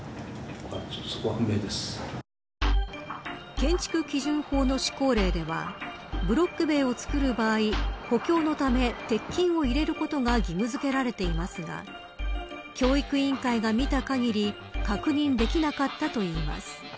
建築基準法の施行令ではブロック塀を作る場合補強のため鉄筋を入れることが義務付けられていますが教育委員会が見た限り確認できなかったといいます。